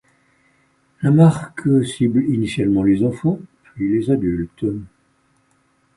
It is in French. La marque cible initialement les enfants, puis les adultes.